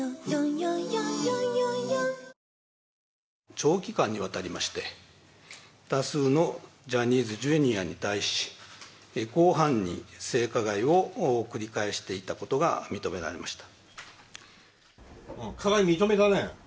長期間にわたりまして、多数のジャニーズＪｒ．に対し、広範に性加害を繰り返していたことが認められました。